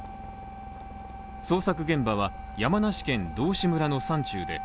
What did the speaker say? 捜索現場は山梨県道志村の山中で